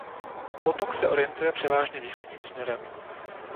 Potok se orientuje převážně východním směrem.